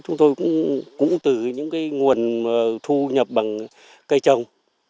chúng tôi cũng từ những nguồn thu nhập bằng cây trồng